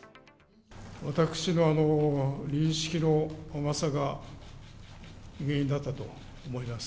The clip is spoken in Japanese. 私の認識の甘さが原因だったと思います。